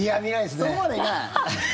そこまでは見ない？